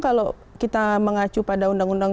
kalau kita mengacu pada undang undang